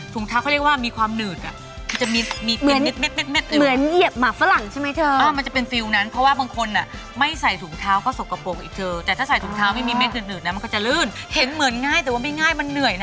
ถุงเท้าคือเรียกว่ามีความเหนือด